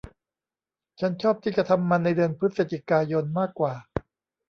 ฉันชอบที่จะทำมันในเดือนพฤศจิกายนมากว่า